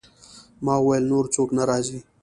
ما وویل: نور څوک نه راځي؟